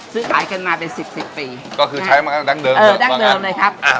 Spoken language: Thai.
ซื้อขายกันมาเป็นสิบสิบปีก็คือใช้มาตั้งแต่ดั้งเดิมเออดั้งเดิมเลยครับอ่า